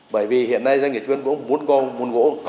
bởi vì hiện nay doanh nghiệp chế biến gỗ muốn con muốn gỗ